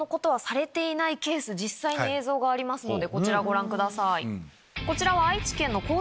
実際に映像がありますのでこちらをご覧ください。